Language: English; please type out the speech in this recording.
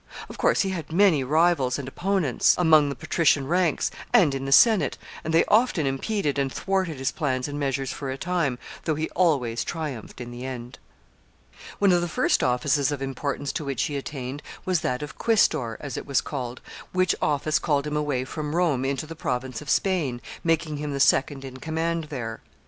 Of course, he had many rivals and opponents among the patrician ranks, and in the Senate, and they often impeded and thwarted his plans and measures for a time, though he always triumphed in the end. [Sidenote: He is made quaestor.] [Sidenote: Caesar leaves Spain.] [Sidenote: His project.] One of the first offices of importance to which he attained was that of quaestor, as it was called, which office called him away from Rome into the province of Spain, making him the second in command there.